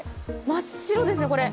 真っ白ですねこれ。